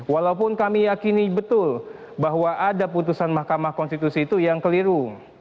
walaupun kami yakini betul bahwa ada putusan mahkamah konstitusi itu yang keliru